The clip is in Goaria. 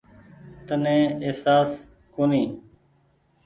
تني اهساس ڪونيٚ ۔